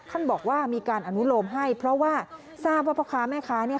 ท่านบอกว่ามีการอนุโลมให้เพราะว่าทราบว่าพ่อค้าแม่ค้าเนี่ย